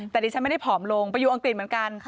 แต่ดิฉันไม่ได้ผอมลงไปอยู่อังกฤษเหมือนกัน